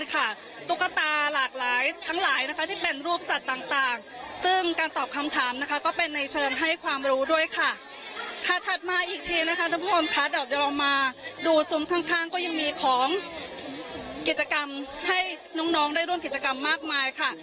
ถัดมาอีกทีนะคะท่านผู้ชมค่ะเดี๋ยวจะลองมาดูซุ้มข้างก็ยังมีของกิจกรรมให้น้องได้ร่วมกิจกรรมมากมายค่ะ